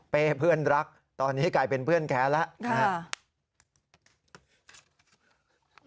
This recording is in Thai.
เป้เพื่อนรักตอนนี้กลายเป็นเพื่อนแค้นแล้ว